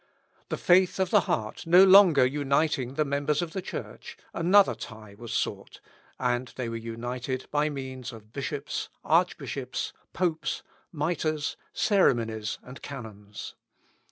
The faith of the heart no longer uniting the members of the Church, another tie was sought, and they were united by means of bishops, archbishops, popes, mitres, ceremonies, and canons.